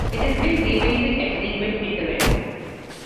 It has been repainted at frequent intervals.